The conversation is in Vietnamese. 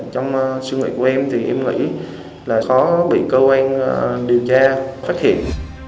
trong sưu nguyện của em thì em nghĩ là khó bị cơ quan điều tra phát hiện